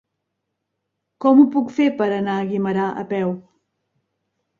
Com ho puc fer per anar a Guimerà a peu?